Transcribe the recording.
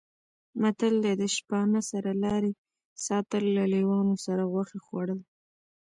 متل دی: د شپانه سره لارې ساتل، له لېوانو سره غوښې خوړل